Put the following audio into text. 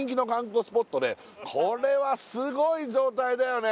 これはすごい状態だよね